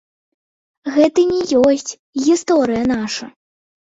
Гэта не ёсць гісторыя наша.